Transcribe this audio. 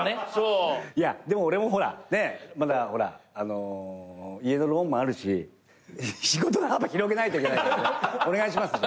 でも俺もほらまだ家のローンもあるし仕事の幅広げないといけないからお願いします。